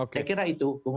saya kira itu